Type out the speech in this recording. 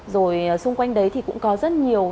rồi xung quanh đấy thì cũng có rất nhiều